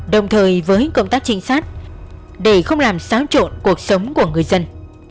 đồng thời với công tác trinh sát để không làm xáo trộn cuộc sống của người dân